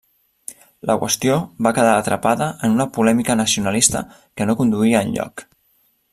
La qüestió va quedar atrapada en una polèmica nacionalista que no conduïa enlloc.